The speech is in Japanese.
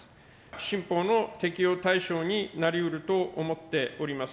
新法の適用対象になりうると思っております。